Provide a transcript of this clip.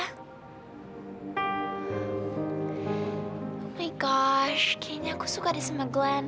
oh my gosh kayaknya aku suka ada sama glenn